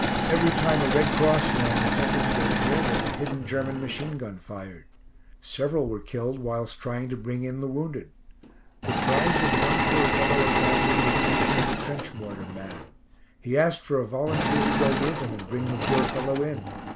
Every time a Red Cross man attempted to get near them, a hidden German machine gun fired. Several were killed whilst trying to bring in the wounded. The cries of one poor fellow attracted the attention of a trench mortar man. He asked for a volunteer to go with him, and bring the poor fellow in.